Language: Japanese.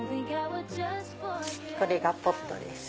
これがポットです。